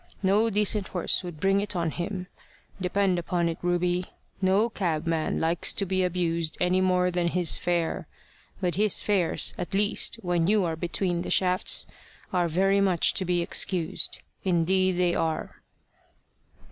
No decent horse would bring it on him. Depend upon it, Ruby, no cabman likes to be abused any more than his fare. But his fares, at least when you are between the shafts, are very much to be excused. Indeed they are."